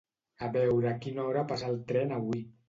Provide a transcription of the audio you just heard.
A veure a quina hora passa el tren avui